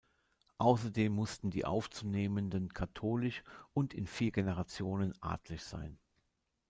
Außerdem mussten die Aufzunehmenden katholisch und in vier Generationen adlig sein.